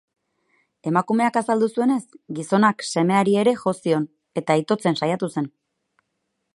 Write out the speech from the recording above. Emakumeak azaldu zuenez, gizonak semeari ere jo zion eta itotzen saiatu zen.